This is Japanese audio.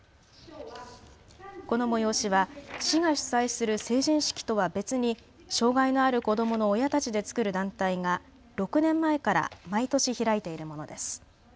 この催しは市が主催する成人式とは別に障害のある子どもの親たちで作る団体が６年前から毎年開いているものです。